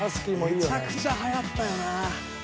めちゃくちゃ流行ったよな。